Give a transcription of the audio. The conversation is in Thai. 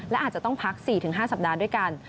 และอาจจะต้องพัก๔๕สัปดาห์ด้วยกัน